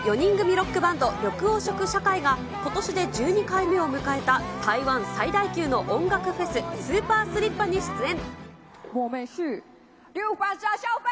ロックバンド、緑黄色社会が、ことしで１２回目を迎えた台湾最大級の音楽フェス、スーパースリッパに出演。